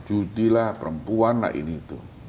jujilah perempuan lah ini itu